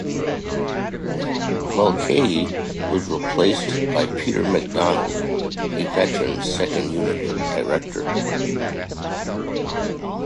Mulcahy was replaced by Peter MacDonald, a veteran second unit director.